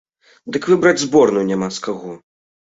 Дык выбраць зборную няма з каго.